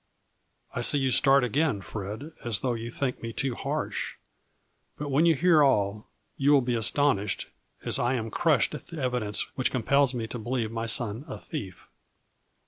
I see you start again, Fred, as though you think me too harsh, but when you hear all, you will be astonished as I am crushed at the evi dence which compels me to believe my son a thief.